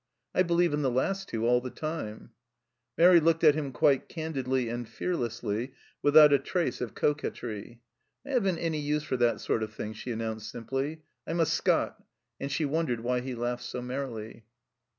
" I believe in the last two all the time !" Mairi looked at him quite candidly and fearlessly, without a trace of coquetry. " I haven't any use for that sort of thing," she announced simply; "I'm a Scot," and she wondered why he laughed so merrily.